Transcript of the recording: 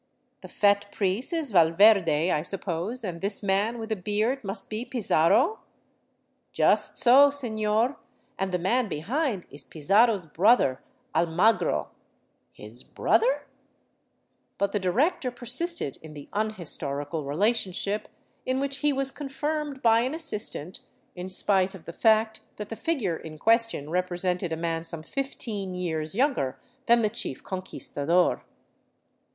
" The fat priest is Valverde, I suppose, and this man with a beard must be PIzarro? "" Just so, sefior, and the man behind is Pizarro's brother, Almagro." "His brother?" 328 I ROUND ABOUT THE PERUVIAN CAPITAL But the director persisted in the unhistorical relationship, in which he was confirmed by an assistant, in spite of the fact that the figure in question represented a man some fifteen years younger than the chief Conquistador.